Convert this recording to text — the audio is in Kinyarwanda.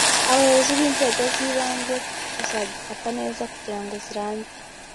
abayobozi b’inzego z’ibanze kuzagifata neza kugira ngo kizarambe